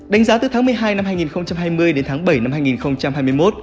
đánh giá từ tháng một mươi hai năm hai nghìn hai mươi đến tháng bảy năm hai nghìn hai mươi một